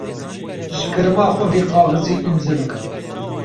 Ji kerema xwe vê kaxizê îmze bikin.